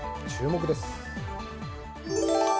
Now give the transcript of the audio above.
注目です。